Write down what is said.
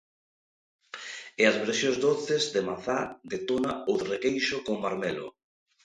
E as versións doces de mazá, de tona ou de requeixo con marmelo.